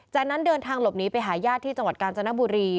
จากนั้นเดินทางหลบหนีไปหาญาติที่จังหวัดกาญจนบุรี